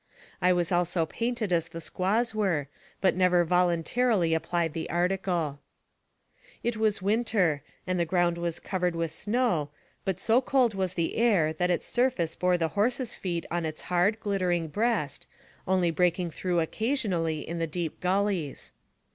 I was also painted as the squaws were, but never voluntarily ap plied the article. It was winter, and the ground was covered with snow, but so cold was the air that its surface bore the AMONG THE SIOUX INDIANS. 205 horses' feet on its hard, glittering breast, only breaking through occasionally in the deep gullies.